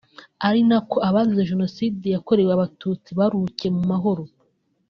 ari nako abazize Jenoside yakorewe Abatutsi baruhukiye mu mahoro